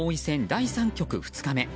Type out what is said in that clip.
第３局２日目。